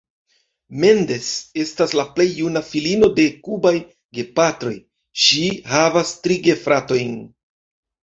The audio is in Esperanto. Mendes estas la plej juna filino de kubaj gepatroj, ŝi havas tri gefratojn.